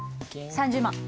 ３０万